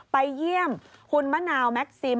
ไปเยี่ยมคุณมะนาวแม็กซิม